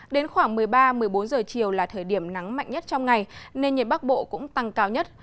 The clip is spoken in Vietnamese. đến khoảng một mươi ba một mươi bốn giờ chiều là thời điểm nắng mạnh nhất trong ngày nên nhiệt bắc bộ cũng tăng cao nhất